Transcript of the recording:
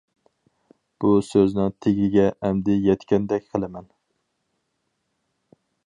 بۇ سۆزنىڭ تېگىگە ئەمدى يەتكەندەك قىلىمەن.